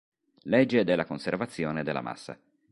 Legge della conservazione della massa